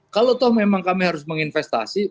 kalau memang kami harus menginvestasi